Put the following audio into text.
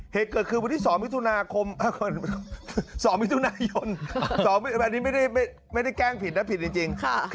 เหตุเกิดคือวันที่๒มิถุนายน๒มิถุนายนอันนี้ไม่ได้แกล้งผิดนะผิดจริง